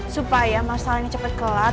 supaya masalahnya cepet kelar